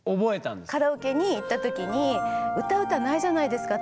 カラオケに行った時に歌う歌ないじゃないですか